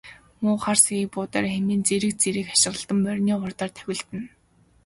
Муу хар сэгийг буудаарай хэмээн зэрэг зэрэг хашхиралдан морины хурдаар давхилдана.